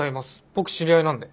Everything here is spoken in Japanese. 僕知り合いなんで。